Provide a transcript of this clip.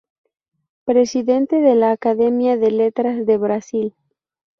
Presidente de la Academia de Letras de Brasil.